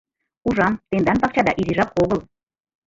— Ужам, тендан пакчада изижак огыл.